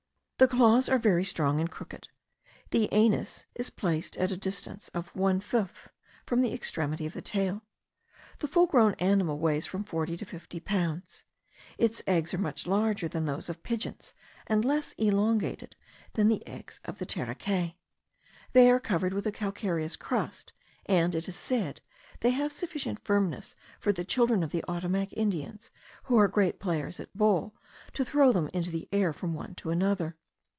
The claws are very strong and crooked. The anus is placed at the distance of one fifth from the extremity of the tail. The full grown animal weighs from forty to fifty pounds. Its eggs are much larger than those of pigeons, and less elongated than the eggs of the terekay. They are covered with a calcareous crust, and, it is said, they have sufficient firmness for the children of the Ottomac Indians, who are great players at ball, to throw them into the air from one to another.